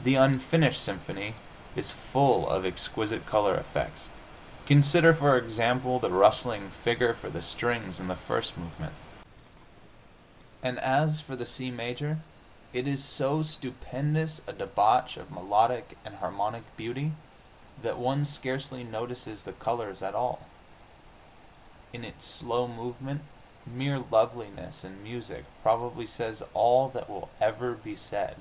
The Unfinished symphony is full of exquisite color effects consider, for example, the rustling figure for the strings in the first movement and as for the C major, it is so stupendous a debauch of melodic and harmonic beauty that one scarcely notices the colors at all. In its slow movement mere loveliness in music probably says all that will ever be said....